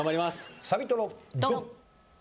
サビトロドン！